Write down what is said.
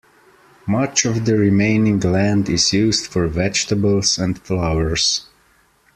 Much of the remaining land is used for vegetables and flowers.